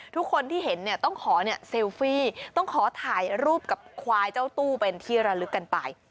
ทุกคนที่เห็นเนี่ยต้องขอเนี่ยเซลฟี่ต้องขอถ่ายรูปกับควายเจ้าตู้เป็นที่ระลึกกันไป